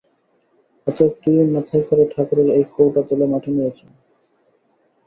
অতএব তুই-ই মাথায় করে ঠাকুরের এই কৌটা তুলে মঠে নিয়ে চল।